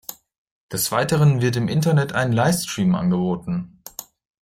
Des Weiteren wird im Internet ein Livestream angeboten.